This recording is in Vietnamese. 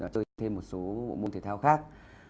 chơi thêm một số bộ môn thể thao khác